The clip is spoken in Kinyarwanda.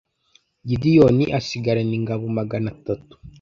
gideyoni asigarana ingabo magana atatu